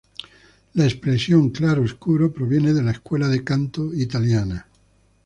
La expresión "claroscuro" proviene de la escuela de canto italiana.